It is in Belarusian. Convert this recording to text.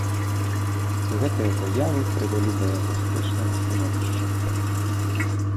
Гэтыя заявы прывялі да яго спрэчнага становішча.